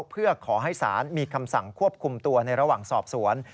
เพื่อขอให้ศาลมีคำสั่งควบคุมตัวในระหว่างสอบสวน